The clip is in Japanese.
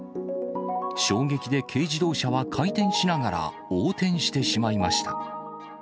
衝撃で軽自動車は回転しながら横転してしまいました。